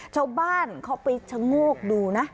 ชาวบ้านเขาไปชะโงกดูนะ